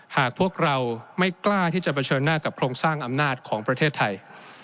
หากพวกเราไม่กล้าที่จะเผชิญหน้ากับโครงสร้างอำนาจของประเทศไทย